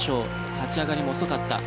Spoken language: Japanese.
立ち上がりも遅かった。